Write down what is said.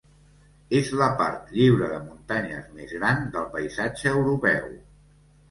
És la part lliure de muntanyes més gran del paisatge europeu.